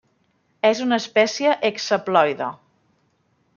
És una espècie hexaploide.